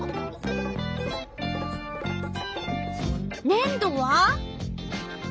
ねん土は？